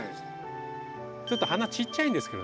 ちょっと花ちっちゃいんですけどね